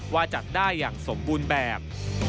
ว่าจัดได้อย่างสมบูรณ์แบบ